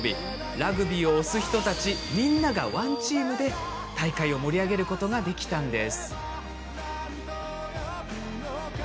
ラグビーを推す人たちみんなが「ＯＮＥＴＥＡＭ」で大会を盛り上げることができたんです。